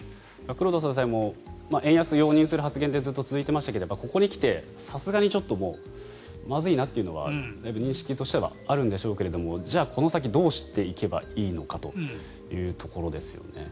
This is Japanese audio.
黒田総裁も円安容認する発言でずっと続いていましたがここに来てさすがにちょっとまずいなというのは認識としてはあるんでしょうけどもじゃあこの先どうしていけばいいのかというところですよね。